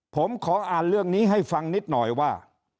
ผมขออ่านเรื่องนี้ให้ฟังนิดหน่อยว่า